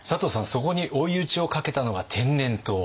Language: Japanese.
そこに追い打ちをかけたのが天然痘。